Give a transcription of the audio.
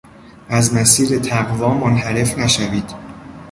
از مسیر تقوا منحرف نشوید!